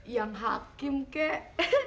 yang hakim kek